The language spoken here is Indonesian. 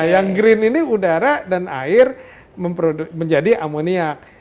yang green ini udara dan air menjadi amoniak